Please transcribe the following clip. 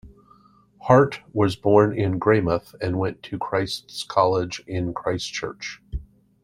Hart was born in Greymouth and went to Christ's College in Christchurch.